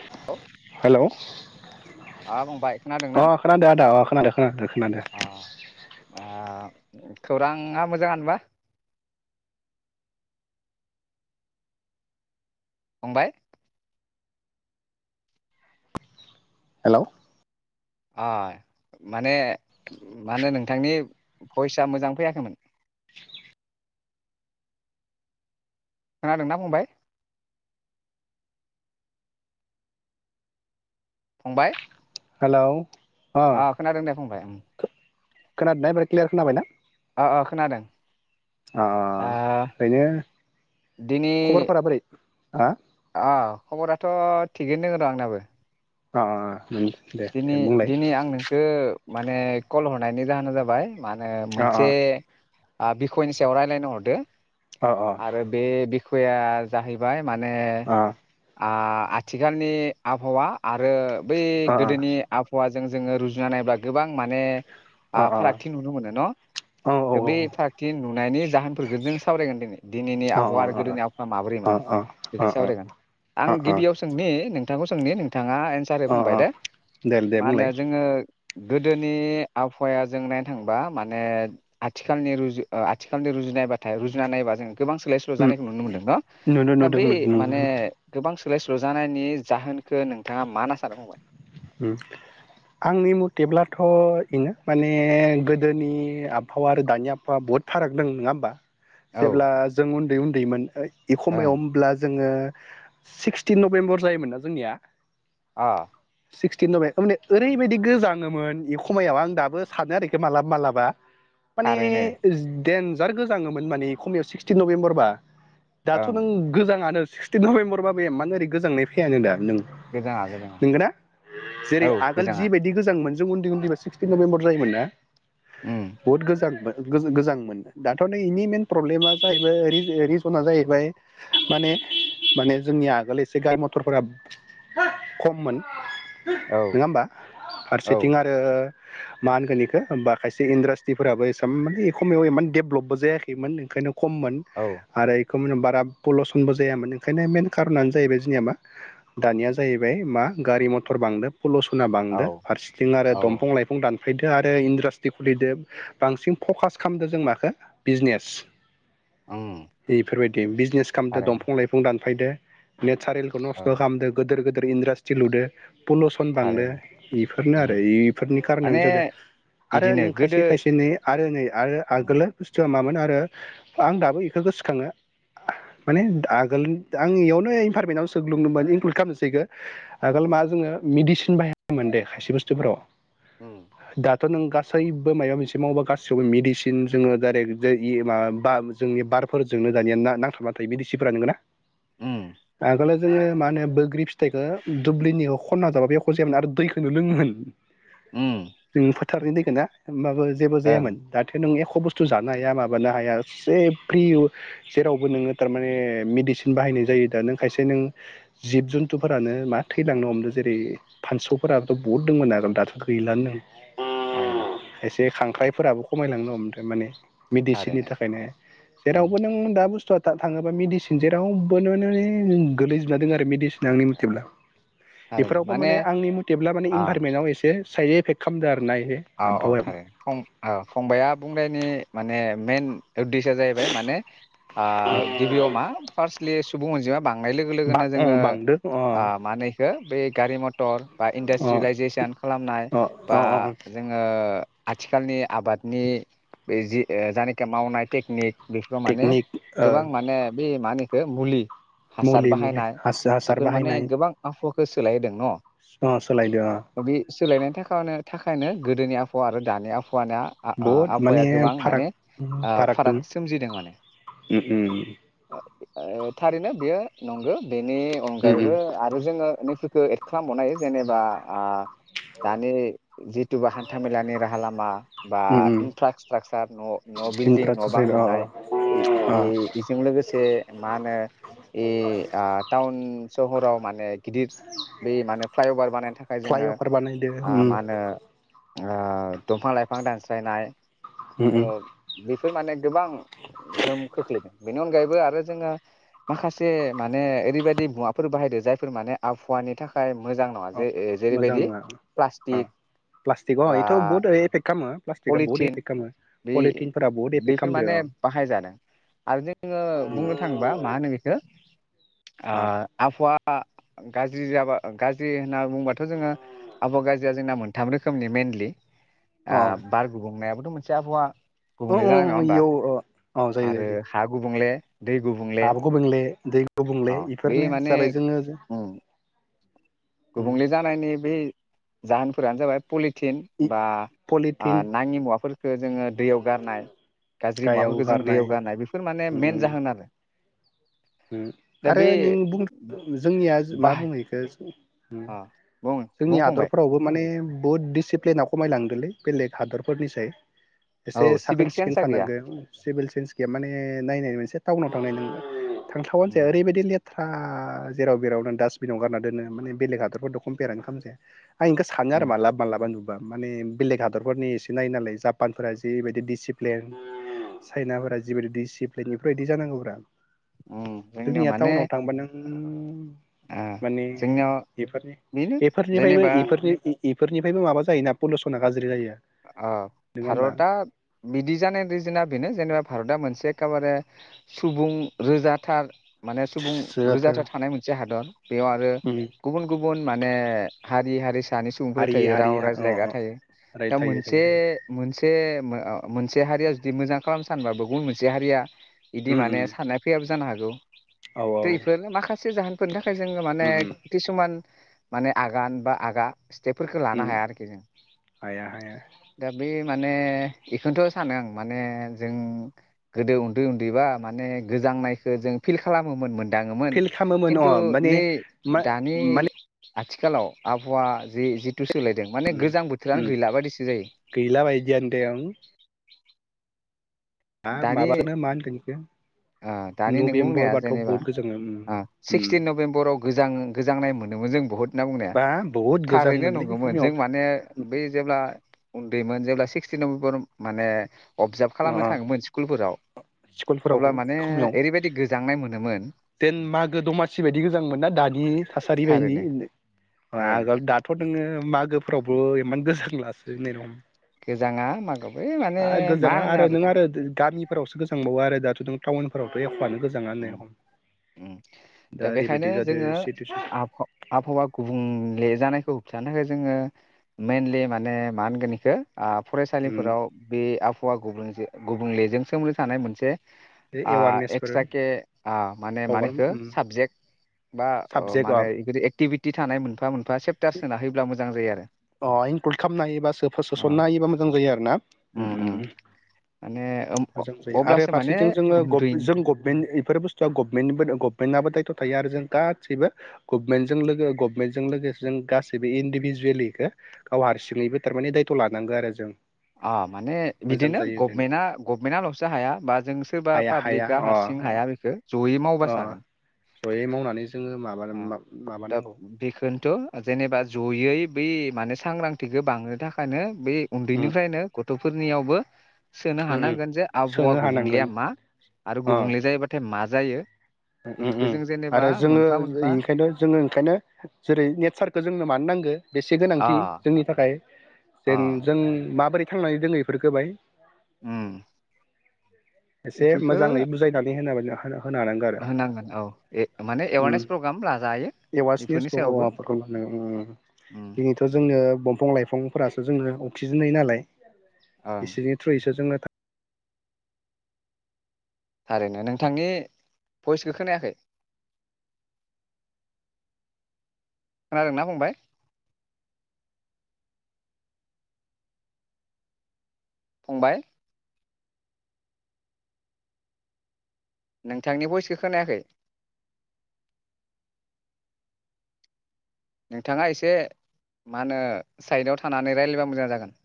[unintelligible] हेल' अ फंबाय खोनादोंना? अ खोनादो खोनादो खोनादो अ आ खौराङा मोजाङानोबा फंबाय? हेल' अ माने मा होनो नोंथांनि भइसआ मोजां फैयाखैमोन। खोनादोंना फंबाय? फंबाय हेलौ अ खोनादोंं दे फंबाय ओम। खोनादोंना एबार क्लियार खोनाबाय ना? अ अ खोनादों अ आ ओरैनो दिनै खबरफोरा बोरै? आ अ खबराथ' थिगैनो दङ र' आंनाबो। अ [unintelligible] दिनै बुंलाय दिनै आं नोंखो माने कल हरनायनि जाहोना जाबाय मा होनो अ अ मोनसे ओ बिखयनि सायाव रायलायनो हरदो। अ आरो बे बिख खया जाहैबाय माने अ आ आथिखालनि आबहावा आरो बै अ गोदोनि आबहावा जों जोङो रुजुना नायोब्ला गोबां माने आ अ फारागथि नुनो मोनो न', औ औ बे फारागथि नुनायनि जाहोनफोरखौ जों सावरायगोन दिनै। दिनैनि अ आबहावा आरो गोदोनि आबहावा अ माब्रैमोन? बेखौनो अ सावरायगोन। आं अ गिबियाव सोंनि नों थांखौ सोंनि नों थाङा एन्सार हो अ फंबाय अ दे। दे दे मा बुंलाय होनो जोङो गोदोनि आबहावाया जों नायनो थांबा माने आथिखालनि रुजु आथिखालनि रुजुनायबाथाय रुजुना नायोबा जों गोबां सोलाय सोल' उम जानायखौ नुनो मोनदों न' नुदों दा नुदों बै नुदों माने गोबां सोलाय स्ल'जानायनि जाहोनखौ नोंथाङा मा ना सानो फंबाय? उम आंनि मथेब्लाथ' इनो माने गोदोनि आबहावा आरो दानि आबहावा बुहुद फाराग दं नङा होमबा? औ जेब्ला जों उन्दै उ न्दैमोन इखमायाव ओं होमब्ला जोङो सिक्सटिन नभेम्बर जायोमोन नना जोंनिया? अ सिक्सटिन नबे- माने ओरैबायदि गोजाङोमोन बे खमायाव आं दाबो सानो आरोखि मालाबा माबलाबा माने थारैनो ओ देन जार गोजाङोमोन माने खमियाव सिक्सटिन नभेम्बरबा दाथ' ओं नों गोजाङानो सिक्सटिन नभेमफरबाबो एमानओरै गोजांनाय फैयानो दा नों गोजाङा गोजाङा। नंगोना औ जेरै आगोल गोजाङा जिबायदि गोजां ङो जों उन्दै उन्दै सिक्सटिन नभेम्बर जायोन ना? उम बहुत गोजाङोमोन। गोजांमोन दाथ' नै बेनि मइेन प्रब्लेमा जाहैबाय रिजना जाहैबाय माने माने जोंनि आगोल एसे गारि मथरफोरा [inaudible] खममोन। औ नङा होमबा? औ फारसेथिं आरो मा होनगोन बेखौ बा खायसे इन्ड्रास्टिफोराबो एसां माने एखमयाव देभलपबो जायाखैमोन ओंखायनो खममोन औ आरो बारा पलसनबो जायामोन ओंखायनो मेन कार'नानो जाहैबाय जोंनिया मा दानिया जाहैबाय मा गारि मथर [inaudible] बांदों फलुसना बांदो औ फारसेथिं आरो औ दंफां लाइफां दान फैदो आरो इन्ड्रास्टि खुलिदो बांसिन फकास खालामदो जों माखो बिजनेस अ [unintelligible] बिजनेस खामदो दफां लाइफां दान फैदो नेट सारिलखौ नस्थ' औ खालामदों गोदोर गोद दोर इनडाष्ट्रि लुदो पलुसन बांदो थारैनो बेफोरनो उम आरो इफोरनि खारनानो माने जादों आरो इदिनो नों गोदो खायसे खायसे नै आरो नै आरो उम आगोलो बुस्थुआ मामोन आ ङो आं दाबो इख' गोसोखाङो माने आगोल आं इयावनो इनभारमेन्ट आव [unintelligible] इनक्लुद खामनोसैखो आगोल मा जोङो मिडिसिन बाहायामोन दे खायसे बुस्थुफोराव उम थ' नों गासैबो माबा मोनसे मावोबा गासैयावबो मेडिसिन जोङो डाइरेक्ट इ माबा बा जोंनि बारफोरजोंनो दानिया ना नांथाबना थायो मेदिसिनफोरा नोंगो ना? उम आगोलो जोङो मा होनो बोग्रि फिथाइखौ दुब्लिनि अ खनना जाबाबो एख' जायामोन आरो दैखौनो लोङोमोन। उम [unintelligible] [unintelligible] ओमबाबो जेबो ओं जायामोन दाथ' नों एख ख' बुस्थु जानो हाया माबानो हाया ए फ्रि जेरावबो नोङो थारमाने मेडिसिन बाहायनाय जायो दा नों खायसे नों जिब जुन्थुफोरानो मा थैलांनो हमदों जेरै फानसौ फोराथ' बहुद दंमोन आगोल दाथ' गैलानो थारैनो जे खांख्राइफोराबो खमायलांनो हमदो माने मेडिसिननि थारैनो थाखायनो उम जेरावबो नों दा बुस्थुआ थाङोब्ला मेडिसिन जेरावबो नो नै गोलैजोबना दङ आरो मेडिसिना आंनि मथेब्ला। बेफोरावबो माने आंनि मटेब्ला माने आ इनभारमेन्टआव एसे साइड एफेक्ट खामदो आ औ अ थारैनो फं ओ फंबाया बुंनायनि माने मेन उद्देश्यआ जाहैबाय माने आ गिबियाव मा फार्स्ट [unintelligible] सुबुं अनजिमा बांनाय लोगो बा लोगोनो अ जोङो बांदो अ ओ मा होनो इखो बै गारि म टर बा अ इन्डास्ट्रि लाइजेसन खालामनाय अ बा अ [unintelligible] आथिखालनि आबादनि बे जि ओ जानि [unintelligible] टेकनिक बेफोराव माने टेकनिक ओ गोबां माने बे मानो बे मुलि हासार मुलि मुलि बाहायनाय हासार बेफोर माने बाहायनाय गोबां [unintelligible] सो सोलायहोदों न' अ सोलायदों अ बे सोलायनायनि थाखानो [unintelligible] गोदोनि आबहावा आरो दानि आबहावा [unintelligible] बहुद माने आबहावाया गोबां फाराग माने फाराग सोमजिदों माने उम ओ थारैनो बेयो नंगो बेनि उम अनगायैबो आरो जोङो नै [unintelligible] खो एड खालामबावनो हायो जेनोबा आ दानि जितुबा हान्थामेलानि राहा लामा बा उम उम इनफ्रासट्राकसार न' न' बिल्डिं न' बां इनफ्रास्ट्राकसार अ लुनाय ई अ ईजों लोगोसे मा होनो ई टाउन [unintelligible] सहराव माने गिदिर बे मानो फ्लाइअभार बानायनो थाखाय जोङो फ्लाइअभार बानायदो ओ उम उम ओ ओ दंफां लाइफां दानस्लायनाय औ उम बेफो फोरमाने। गोबां गोहोम खोख्लैदों। बेनि अनगायैबो आरो जोङो माखासे माने एरैबायदि मुवाफोर बाहायदो जायफोर माने आबहावानि थाखाय मोजां नङा। जे ए जेरैबायदि प्लास अह प्लास्टिकआव इथ बहुत ओरै एफेक्ट खामो। पलिथिन बे बहुद एफेक्ट खालामदो बेफोरमाने अ बाहायजादों आरोजे जोङो उम बुंनो थाङोबा माहोनो बेखो। अ ओह आबहावा। आ गाज्रि जाबा गाज्रि होना बुंङोबाथ जोङो आबहावा गाज्रिया जोंना मोनथाम रोखोमनि मइेनलि। अह। गुबुंनायाबोथ मोनसे आबहावा। अह गुबुंले जानाय अह नङा अह होमबा य ओह। आरो हा गुबुं। गुबुंंले। हाबो गुबुंले दै औ गुबुंले बे माने उम गुबुंले जानायनि बे जाहोनफोरानो जाबाय। पलिथिन बा आ पलिटिन नाङि मुवाफोर खो जोङो दैयाव गारनाय गाज्रि मुवाफोरखोजों दैयाव गारनाय बेफोर माने उम मेेन उम जाहोन आरो। उम दा आरो बे नों बुं जोंनिया मा बाहाय बुङो इखो उम अ बुं जोंनि बुं फंबाय हादरफोरावबो माने बुहुत दिसिप्लेना खमायलाङो बेलेग हादर फोरनिसाय। औ एसे साखोन सिभिक सिखोन सेन्सआ गैया थानांगो सिभिल सेन्सगैया माने नायनाय मोनसे टाउनाव थांनाय नों थांथावानोजाया उम रैबायदि लेथ थ्रा जेराव मेरावनो डास्टबिनाव गारनादोनो माने बेलेग हादरफोरदो कमपेयारानो खामजाया। आं इखो सानो आरो उम मालाबा मालाबा नु बा माने बेलेग हादरफोरनि एसे नायोनालाय जापानफोरा जिरैबायदि डिसिप्लेन चाइनाफोरा जिबायदि डिसिप्लेन इफोरबायदि जानांगोब्रा। उम जोंनियाव जोंनिया माने टाउनाव थांबा नों उम। ओ माने जोंनियाव बेफोरनि बेनो बेफोरनिफायबो जेनेबा एफोरनि इफोरनिफायबो माबा जायोना पलुसना गाज्रि जायो। आ नङा होमबा भारतआ बिदिजानाय रिजोना बेनो जेनेबा भारतआ मोनसे खाबारे सुबुं रोजाथार माने सुबुं रोजाथार थानाय मोनसे हादर बेयाव आरो उम गुबुन गुबुन गबुन माने हारि हारिस सानि सुबुंफोरा हारि थायो हारि राव अ रायज्लायग्रा अ थायो। राय थायो मोनसे थायो थायो मोनसे मोनसे अ अ मोनसे हारिया जुदि मोजां खालामनो सानबाबो गुबुन मोनसे हारिया इदि उम माने उम साननाय फैयाब जानो हागौ। औ औ दैफोर माखास सो जाहोनफोर दा। [unintelligible] जोङो माने उम उम किसुमान माने आगान बा आगा स्टेपफोरखौ उम लानो हाया आरोखि जों। हाया हाया दा बे माने एखोनथ' सानो आं माने जों गोदो उन्दै उन्दैबा माने गोजांनायखो जों फिल खालामोमोन मोन। दाङोमोन फिल खालामोमोन अ खिन्थु माने नै मा दानि माने आथिखालाव आबहावा जि जिथु सोलाय दों माने गोजां बोथोरानो। उम बायदिसो जायो गैला बायदियानो दे ओं। आ दानि माबाखौनो मा होनगोन बेखौ ओ दानि नों बुंनाया नभेम्बरबाथ' जेनेबा बहुद गोजाङो उम ओ उम सिक्सटिन नबेम्बराव गोजाङो गोजांनाय मोनोमोन जों बुहुत होनना बुंनाया बा बहुद थारैनो गोजांमोनलै नंगौमोन खमायाव जों माने बै जेब्ला उन्दैमोन जेब्ला सिक्स नबेम्बर माने। अबजाभ खालामो अ थाङोमोन स्कुलफोराव स्कुलफोराव अब्ला माने खमायाव ओरैबायदि गोजांनाय मोनोमोन। देन मागो दमासि बायदि गोजांमोन ना दानि थासारि बायनि थारैनो ओं आगोल दाथ' दोङो मागोफ्राव। बो इमान गोजां लासो नरम। गोजाङा मागो बै माने मा गोजाङा होनो आरो नों दा आरो गामिफोरावसो गोजांबावो आरो दाथ' नों टाउन। फोरावथ' एख'आनो। गोजाङा होननाया उम रखम उम दा बेखायनो जोङो सिटुवेसन आबहा-आबहावा गुबुंले बे जानायखौ होबथानो थाखाय जोङो मेइेनलि माने मा होनगोन इखो? आं फरायसालिफोराव बे आबहावा गुबुं गुबुंलेजों सोमोन्दो थानाय मोनसे बे एवारनेसफोर एके माने प्रग्राम मानिखो साबजेक्ट बा साबजेक्ट अ मानेदि एक्टिभिटि थानाय मोनफा मोनफा सेप [unintelligible] सोनायोब्ला मोजां जायो आरो अ इनक्लुड खालामनो हायोबा अ सोसनना होयोबा मोजां जायो आरो ना उम उम माने ओम अ- मोजां जायो आरो अब्लासो माने फारसेथिं जोङो उन्दैनि जों [unintelligible] इफोर बुस्थुआ गभमेन्निबो गभमेन्टआबो दायथ' थायो जों गासैबो गमेन्टजों लोगो गभमेन्टजों लोगोसे जों गासैबो इन्दिभिजुवेलि [unintelligible] गाव हारसिङैबो थारमाने दायथ' लानांगौ आरो जों अ माने मोजां बिदिनो जायो जों गभमेन्टआ गभमेन्टआल'सो हाया बा जों सोरबा हाया हाया पाब्लिकआ अ अ हारसिं हाया बेखो जयै अ मावबासो हागोन। जयै मावनानै जोङो माबा ओ दा माबानांगौ बेखौनोथ' जेनेबा जयै बै माने सांग्रांथिखो बांनो थाखायनो बे उम उन्दैनिफ्रायनो गथ' फोरनियावबो सोनो उम उम हानांगोन जे आबहावा सोनो हानांगोन गुबुंलेया मा आरो अ गुबुंले जायोबाथाय मा जायो। उम बेफोरखौ उम जों जेनेबा आरो जोङो मोनफा मोनफा इनिखायनो जोङो ओंखायनो जेरै नेचारखौ जोंनो मानो नांगो बेसे से अ गोनांथि जोंनि थाखाय जों अ जों माबोरै थांनानै दोङो इफोरखो बाय उम एसे बेफोरखौ मोजाङै बुजायनानै होनाबाय [unintelligible] होनो हानांगो होनांगोन औ ए माने एवारनेस प्रग्राम लाजायो एवासनि इफोरनि सायावबो माबाफोरखौ उम फांफोरासो जोङो अक्सिजेन होयो नालाय। ओं बिसोरनि थ्रुयैसो जोङो थारैनो नोंथांनि भइसखो खोनायाखै। खोनादों ना फंबाय? फंबाय नोंथांनि भइसखो खोनायाखै। नोंथाङा एसे मा होनो साइडाव थानानै रायलायबा मोजां जागोन।